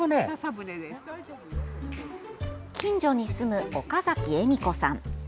近所に住む岡崎笑子さん。